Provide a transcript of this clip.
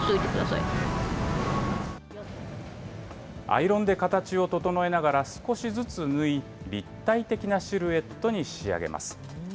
アイロンで形を整えながら、少しずつ縫い、立体的なシルエットに仕上げます。